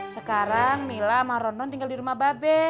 sekarang mila sama ronron tinggal di rumah ba be